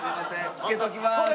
付けときます。